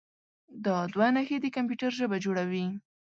دا دوه نښې د کمپیوټر ژبه جوړوي.